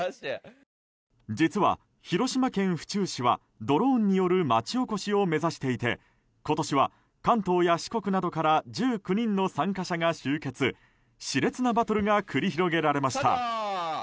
実は、広島県府中市はドローンによる町おこしを目指していて今年は関東や四国などから１９人の参加者が集結熾烈なバトルが繰り広げられました。